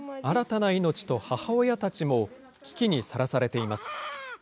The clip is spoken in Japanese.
新たな命と母親たちも、危機にさらされています。